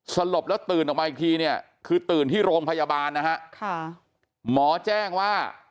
สลบแล้วตื่นออกมาอีกทีเนี่ยคือตื่นที่โรงพยาบาลนะฮะค่ะหมอแจ้งว่า